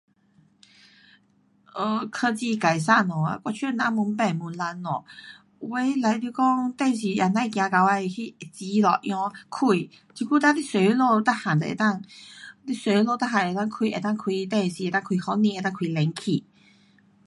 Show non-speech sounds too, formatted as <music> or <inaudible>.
<unintelligible> 科技改善。我觉得人越变越懒惰。有些 like 你说电视都甭走起来按了才开。现在你坐那边全部能够开